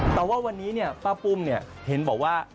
แต่ว่าวันนี้ป้าปุ้มเห็นบอกว่า